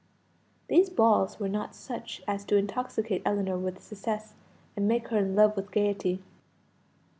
These balls were not such as to intoxicate Ellinor with success, and make her in love with gaiety.